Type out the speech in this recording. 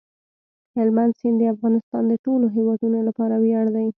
هلمند سیند د افغانستان د ټولو هیوادوالو لپاره ویاړ دی.